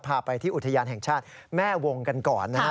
พาไปที่อุทยานแห่งชาติแม่วงกันก่อนนะฮะ